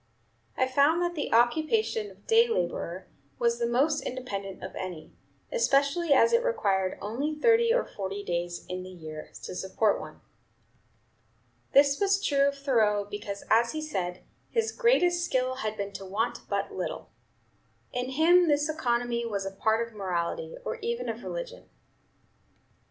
I found that the occupation of day laborer was the most independent of any, especially as it required only thirty or forty days in the year to support one." This was true of Thoreau, because, as he said, his "greatest skill had been to want but little." In him this economy was a part of morality, or even of religion.